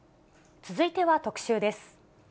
続いては特集です。